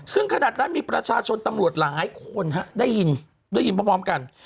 ซึ่งขนาดนั้นมีประชาชนตำรวจหลายคนได้ยินได้ยินพร้อมกัน